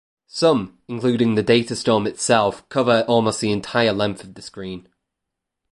Some, including the Datastorm itself, cover almost the entire length of the screen.